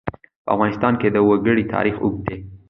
په افغانستان کې د وګړي تاریخ اوږد دی.